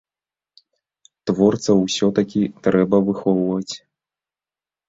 Творцаў усё-такі трэба выхоўваць.